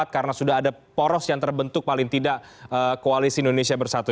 karena sudah ada poros yang terbentuk paling tidak koalisi indonesia bersatu